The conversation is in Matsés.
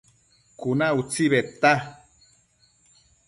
Cuna utsi bedta